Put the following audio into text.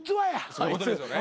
そういうことですよね。